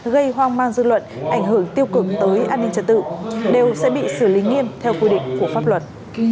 gây hoang mang dư luận ảnh hưởng tiêu cực tới an ninh trật tự đều sẽ bị xử lý nghiêm theo quy định của pháp luật